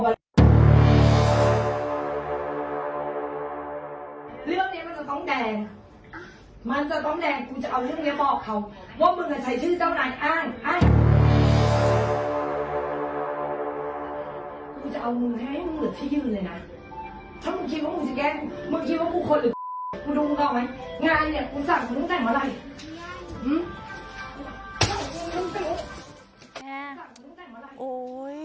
มึงดูมันเปราะไงงานเดี๋ยวกูสั่งของกุ้งแสงมาไร